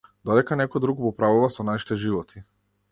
Додека некој друг управува со нашите животи.